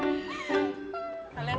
rasanya banget yang ngelagetin si kak